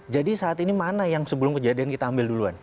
jadi saat ini mana yang sebelum kejadian kita ambil duluan